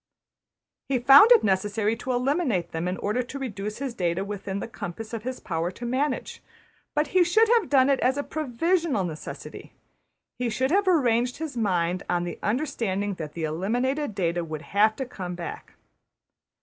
He found it necessary to eliminate them in order to reduce his data within the compass of his power to manage, but he should have done it as a provisional necessity. He should have arranged his mind on the understanding that the eliminated data would have to come back.